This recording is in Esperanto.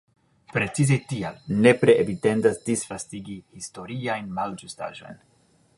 Precize tial nepre evitendas disvastigi historiajn malĝustaĵojn.